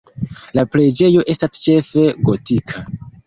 La preĝejo estas ĉefe gotika.